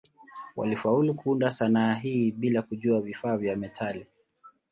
Walifaulu kuunda sanaa hii bila kujua vifaa vya metali.